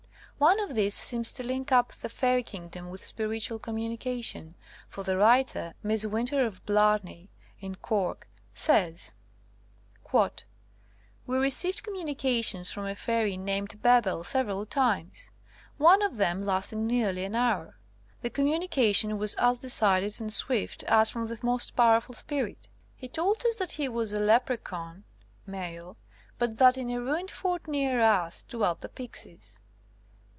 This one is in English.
One of these seems to link up the fairy kingdom with spiritual communi cation, for the writer, Miss Winter, of Blar ney, in Cork, says; *'We received communications from a fairy named Bebel several times, one of them lasting nearly an hour. The communication 163 THE COMING OF THE FAIRIES was as decided and swift as from the most powerful spirit. He told us tliat he was a Leprechaun (male), but that in a ruined fort near us dwelt the Pixies.